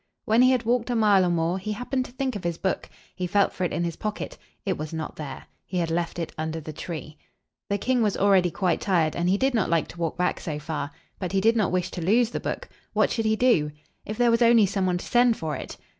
When he had walked a mile or more, he happened to think of his book. He felt for it in his pocket. It was not there. He had left it under the tree. The king was already quite tired, and he did not like to walk back so far. But he did not wish to lose the book. What should he do? If there was only some one to send for it!